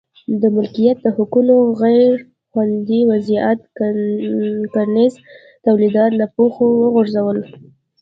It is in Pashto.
د مالکیت د حقونو غیر خوندي وضعیت کرنیز تولیدات له پښو وغورځول.